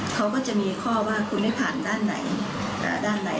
เขาก็จะมีข้อว่าคุณได้ผ่านด้านไหนด้านไหน